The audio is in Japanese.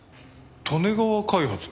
利根川開発？